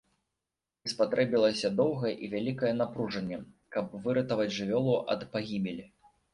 І спатрэбілася доўгае і вялікае напружанне, каб выратаваць жывёлу ад пагібелі.